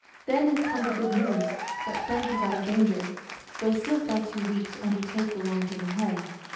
Then had come the good news that Frank was out of danger, though still far too weak to undertake the long journey home.